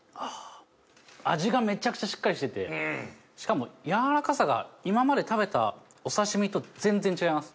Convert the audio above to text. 味がめちゃくちゃしっかりしててしかも柔らかさが今まで食べたお刺し身と全然違います。